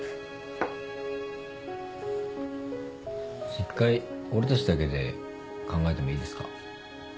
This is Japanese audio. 一回俺たちだけで考えてもいいですか？